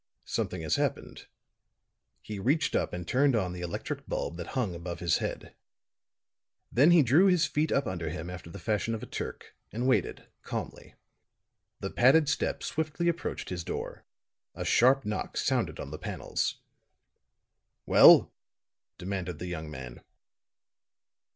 "Something has happened." He reached up and turned on the electric bulb that hung above his head; then he drew his feet up under him after the fashion of a Turk and waited, calmly. The padded steps swiftly approached his door; a sharp knock sounded on the panels. "Well?" demanded the young man.